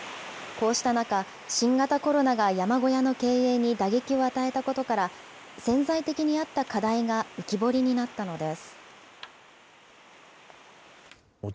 こうした中、新型コロナが山小屋の経営に打撃を与えたことから、潜在的にあった課題が浮き彫りになったのです。